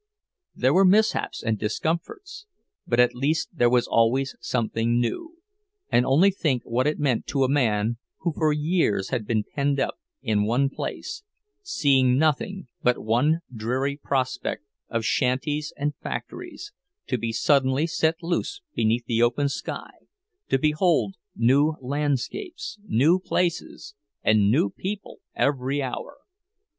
There were mishaps and discomforts—but at least there was always something new; and only think what it meant to a man who for years had been penned up in one place, seeing nothing but one dreary prospect of shanties and factories, to be suddenly set loose beneath the open sky, to behold new landscapes, new places, and new people every hour!